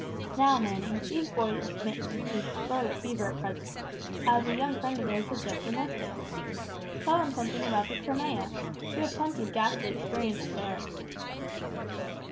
Now, Manning, these boys are smitten with the 'scarlet fever' at present, as a young friend of theirs has just enlisted. Tell them something about the Crimea; you had plenty of ghastly experiences there."